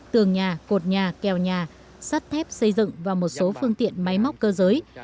tường nhà cột nhà kèo nhà sắt thép xây dựng và một số phương tiện máy móc cơ giới